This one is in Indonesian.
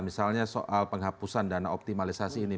misalnya soal penghapusan dana optimalisasi ini